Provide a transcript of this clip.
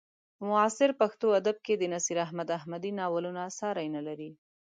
په معاصر پښتو ادب کې د نصیر احمد احمدي ناولونه ساری نه لري.